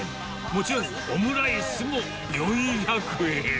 もちろんオムライスも４００円。